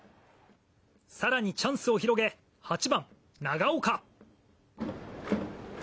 更にチャンスを広げ８番、長岡。